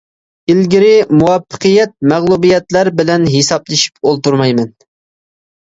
ئىلگىرىكى مۇۋەپپەقىيەت، مەغلۇبىيەتلەر بىلەن ھېسابلىشىپ ئولتۇرمايمەن.